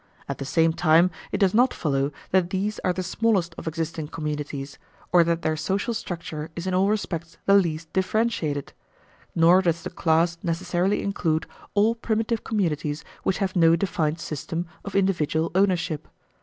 At the same time it does not follow that these are the smallest of existing communities, or that their social structure is in all respects the least differentiated; nor does the class necessarily include all primitive communities which have no defined system of individual ownership.